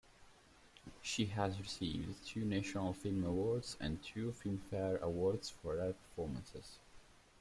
She has received two National Film Awards and two Filmfare Awards for her performances.